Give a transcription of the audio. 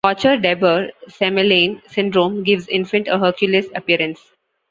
Kocher-Debre-Semelaigne syndrome gives infant a Hercules appearance.